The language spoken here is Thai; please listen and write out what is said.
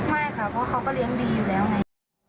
ไม่ค่ะเพราะเขาก็เลี้ยงดีอยู่แล้วไง